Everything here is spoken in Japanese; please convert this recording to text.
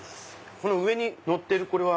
この上にのってるこれは？